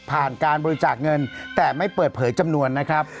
การบริจาคเงินแต่ไม่เปิดเผยจำนวนนะครับ